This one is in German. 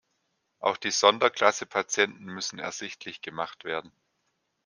Auch die Sonderklasse-Patienten müssen ersichtlich gemacht werden.